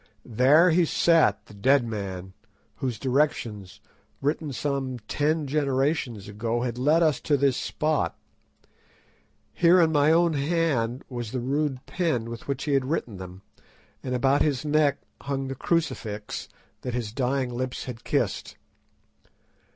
There he sat, the dead man, whose directions, written some ten generations ago, had led us to this spot. Here in my own hand was the rude pen with which he had written them, and about his neck hung the crucifix that his dying lips had kissed.